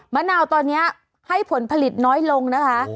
มะนาวตอนนี้ให้ผลผลิตน้อยลงนะคะ